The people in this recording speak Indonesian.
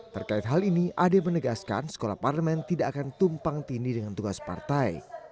terkait hal ini ade menegaskan sekolah parlemen tidak akan tumpang tindih dengan tugas partai